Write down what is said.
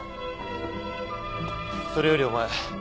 それよりお前